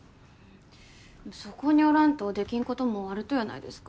そこにおらんとできんこともあるとやないですか